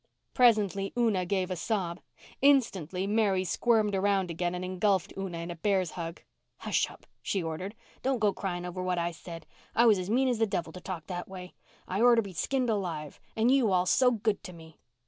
Presently Una gave a sob. Instantly Mary squirmed around again and engulfed Una in a bear's hug. "Hush up," she ordered. "Don't go crying over what I said. I was as mean as the devil to talk that way. I orter to be skinned alive—and you all so good to me.